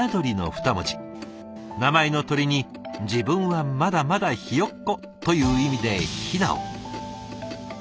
名前の「鳥」に自分はまだまだひよっこという意味で「雛」を。